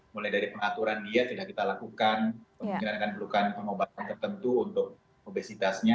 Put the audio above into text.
mulai dari pengaturan diet sudah kita lakukan kemungkinan akan perlukan pengobatan tertentu untuk obesitasnya